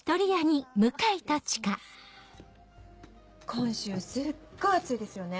今週すっごい暑いですよね。